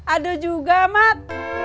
ada juga mat